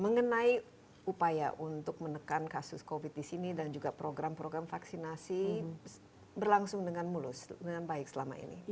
mengenai upaya untuk menekan kasus covid di sini dan juga program program vaksinasi berlangsung dengan mulus dengan baik selama ini